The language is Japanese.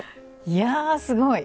いやー、すごい。